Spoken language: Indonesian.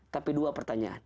tapi dua pertanyaan